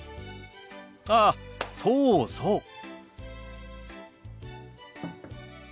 あそうそう。